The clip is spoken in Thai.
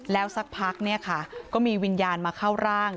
แล้วสักพักเนี่ยค่ะก็มีวิญญาณมาเข้าร่าง